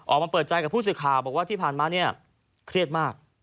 ออกมาเปิดใจกับผู้สื่อข่าวบอกว่าที่ผ่านมาเนี่ยเครียดมาก